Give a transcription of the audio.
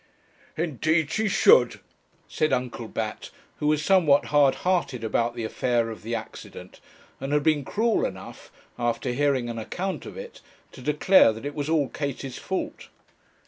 'Indeed, she should,' said Uncle Bat, who was somewhat hard hearted about the affair of the accident, and had been cruel enough, after hearing an account of it, to declare that it was all Katie's fault.